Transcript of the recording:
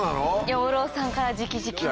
養老さんから直々にと。